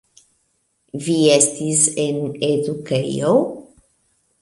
Vi estis en edukejo?